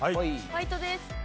ファイトです。